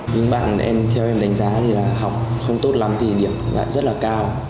những bạn theo em đánh giá thì là học không tốt lắm thì điểm lại rất là cao